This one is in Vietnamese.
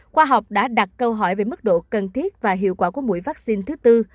khoa học đã đặt câu hỏi về mức độ cần thiết và hiệu quả của mũi vắc xin thứ bốn